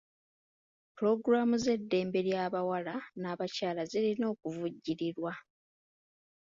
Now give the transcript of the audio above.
Pulogulaamu z'eddembe ly'abawala n'abakyala zirina okuvujjirirwa.